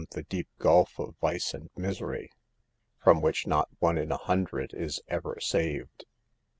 the deep gulf of vice and misery, from which not one in a hundred is ever saved.